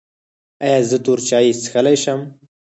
ایا زه تور چای څښلی شم؟